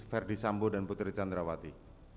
mengikuti ferdis sambo dan putri candrawati